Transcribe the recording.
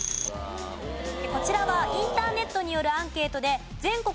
こちらはインターネットによるアンケートで全国